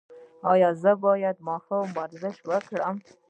ایا زه باید ماښام ورزش وکړم؟